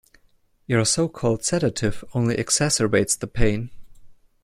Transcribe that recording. Your so-called sedative only exacerbates the pain.